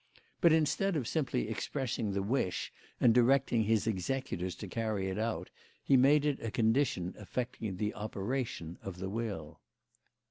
But instead of simply expressing the wish and directing his executors to carry it out, he made it a condition affecting the operation of the will."